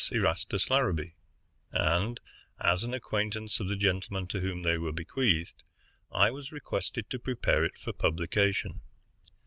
Erastus Larrabee, and, as an acquaintance of the gentleman to whom they were bequeathed, I was requested to prepare it for publication.